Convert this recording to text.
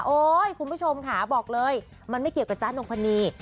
คุณผู้ชมค่ะบอกเลยมันไม่เกี่ยวกับจ๊ะนงพนี